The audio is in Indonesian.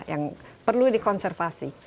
yang perlu dikonservasi